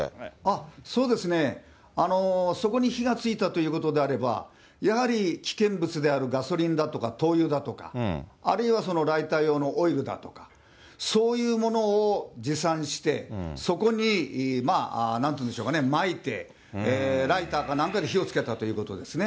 そうですね、そこに火がついたということであれば、やはり危険物であるガソリンだとか灯油だとか、あるいはライター用のオイルだとか、そういうものを持参して、そこになんて言うんでしょうかね、まいて、ライターかなんかで火をつけたということですね。